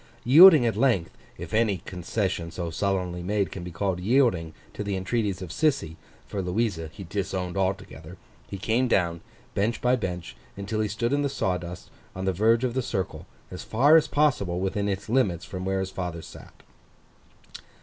Yielding at length, if any concession so sullenly made can be called yielding, to the entreaties of Sissy—for Louisa he disowned altogether—he came down, bench by bench, until he stood in the sawdust, on the verge of the circle, as far as possible, within its limits from where his father sat.